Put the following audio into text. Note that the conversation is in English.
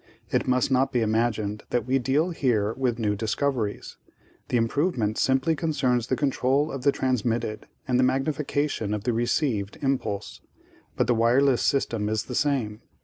It must not be imagined that we deal here with new discoveries. The improvement simply concerns the control of the transmitted and the magnification of the received impulse, but the wireless 'system is the same.